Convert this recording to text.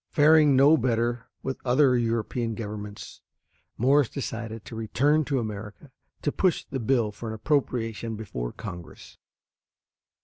Faring no better with other European governments, Morse decided to return to America to push the bill for an appropriation before Congress.